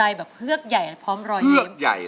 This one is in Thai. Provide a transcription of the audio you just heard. ในข้อถอนเจ็บเกิดใหญ่คิดแล้วมีสะโกะฉิน